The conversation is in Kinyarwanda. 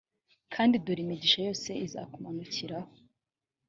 kandi dore imigisha yose izakumanukiraho,